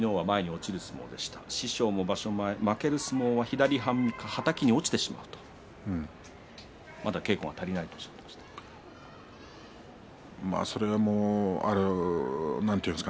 師匠も場所前負ける相撲ははたきに落ちてしまうまだ稽古が足りないとおっしゃっていました。